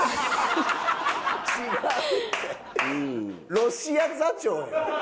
ロシア座長や。